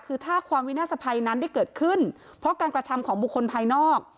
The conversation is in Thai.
คือถ้าความวินาศภัยนั้นได้เกิดขึ้นเพราะการกระทำของบุคคลภายนอก